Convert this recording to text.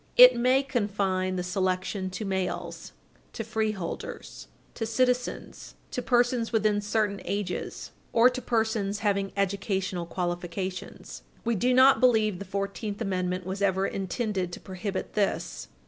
It may confine the selection to males, to freeholders, to citizens, to persons within certain ages, or to persons having educational qualifications. We do not believe the Fourteenth Amendment was ever intended to prohibit this.